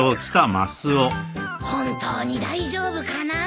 本当に大丈夫かな？